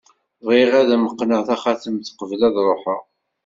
Bɣiɣ ad am-qqneɣ taxatemt qbel ad ruḥeɣ.